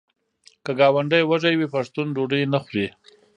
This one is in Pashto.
که ګاونډی وږی وي پښتون ډوډۍ نه خوري.